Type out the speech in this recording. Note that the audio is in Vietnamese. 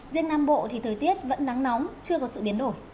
riêng nam bộ thì thời tiết vẫn nắng nóng chưa có sự biến đổi